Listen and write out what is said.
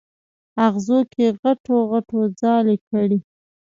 اغزو کې غټو غڼو ځالې کړي